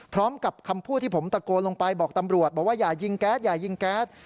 พร้อมกับคำพูดที่ผมตะโกนลงไปบอกตำรวจบอกว่าอย่ายิงแก๊สอย่ายิงแก๊ส